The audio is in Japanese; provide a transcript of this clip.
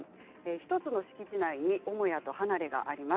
１つの敷地内に母屋と離れがあります。